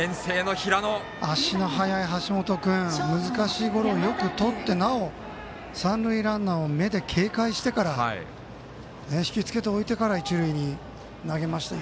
足の速い橋本君難しいゴロをよくとってなお３塁ランナーを目で警戒してから引きつけておいてから一塁に投げました。